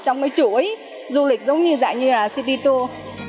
trong cái chuỗi du lịch giống như dạng như là city tour